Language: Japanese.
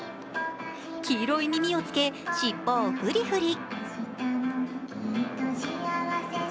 黄色い耳をつけ、尻尾をフリフリ。